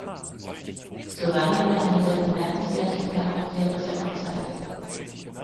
Giovanni war einer der bemerkenswerten Charaktere seiner Zeit.